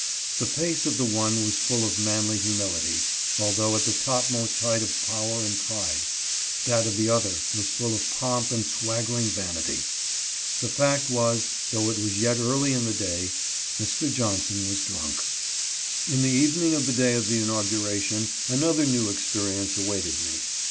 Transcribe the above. The face of the one was full of manly humility, although at the topmost height of power and pride ; that of the other was full of pomp and swaggering vanity. The fact was, though it was yet early in the day, Mr. Johnson was drunk. In the evening of the day of the inauguration, another new experience awaited me.